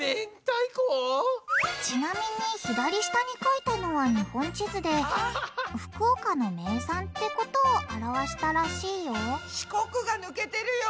ちなみに左下に描いたのは日本地図で福岡の名産ってことを表したらしいよ四国が抜けてるよ！